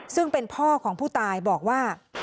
ซึ่งเป็นพ่อของผู้ตายบอกว่า